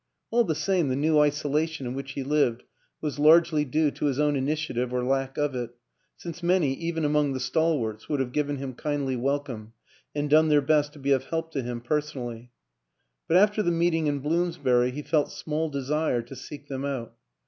All the same the new isolation in which he lived was largely due to his own initiative or lack of it, since many, even among the stalwarts, would have given him kindly welcome and done their best to be of help to him personally; but after the meet ing in Bloomsbury he felt small desire to seek them out.